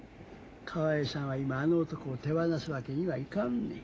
河合さんは今あの男を手放すわけにはいかんねん。